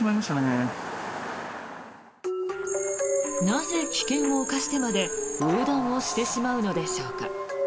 なぜ危険を冒してまで横断をしてしまうのでしょうか。